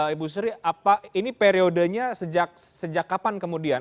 ibu sri ini periodenya sejak kapan kemudian